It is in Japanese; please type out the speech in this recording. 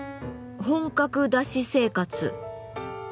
「本格だし生活」。